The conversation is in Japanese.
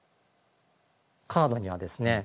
カードにはですね